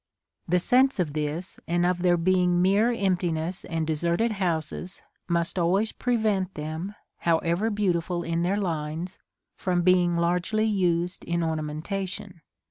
The sense of this, and of their being mere emptiness and deserted houses, must always prevent them, however beautiful in their lines, from being largely used in ornamentation.